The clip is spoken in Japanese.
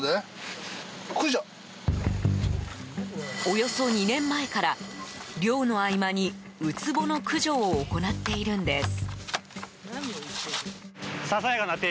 およそ２年前から、漁の合間にウツボの駆除を行っているんです。